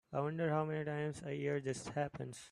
I wonder how many times a year this happens.